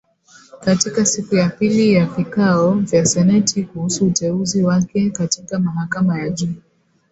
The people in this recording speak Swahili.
Katika siku ya pili ya vikao vya seneti kuhusu uteuzi wake katika mahakama ya juu.